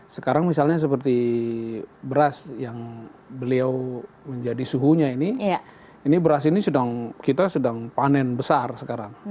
sekarang misalnya seperti beras yang beliau menjadi suhunya ini ini beras ini kita sedang panen besar sekarang